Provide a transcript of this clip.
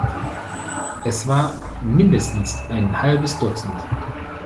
Es war mindestens ein halbes Dutzend.